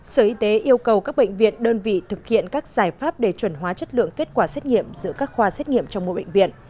sở y tế yêu cầu các bệnh viện đơn vị thực hiện các giải pháp để chuẩn hóa chất lượng kết quả xét nghiệm giữa các khoa xét nghiệm trong mỗi bệnh viện